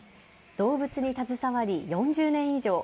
動物に携わり４０年以上。